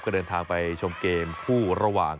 ก็เดินทางไปชมเกมคู่ระหว่าง